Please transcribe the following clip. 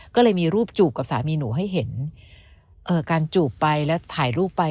ก็เลยมีรูปจูบกับสามีหนูให้เห็นการจูบไปแล้วถ่ายรูปไป